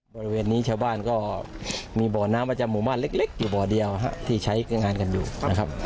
บริเวณนี้ชาวบ้านก็มีบ่อน้ำประจำหมู่บ้านเล็กอยู่บ่อเดียวที่ใช้งานกันอยู่นะครับ